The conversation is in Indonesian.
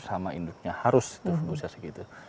sama induknya harus itu bisa segitu